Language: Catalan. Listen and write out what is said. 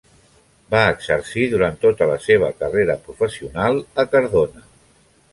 Va exercir durant tota la seva carrera professional a Cardona.